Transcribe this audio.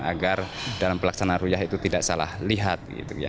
agar dalam pelaksanaan ruyah itu tidak salah lihat